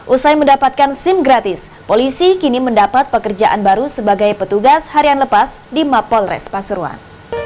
usai mendapatkan sim gratis polisi kini mendapat pekerjaan baru sebagai petugas harian lepas di mapolres pasuruan